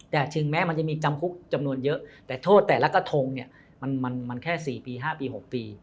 แต่ถึงแม้มันจะมีจำคุกจำนวนเยอะแต่โทษแต่ละกระทงเนี่ยมันแค่๔ปี๕ปี๖ปี